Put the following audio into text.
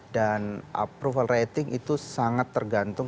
dan approval rating itu sangat tergantung